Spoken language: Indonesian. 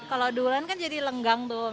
kalau duluan kan jadi lenggang tuh